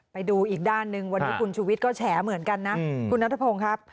ไปดูอีกด้านหนึ่งวันนี้คุณชุวิตก็แฉเหมือนกันนะคุณนัทพงศ์ครับ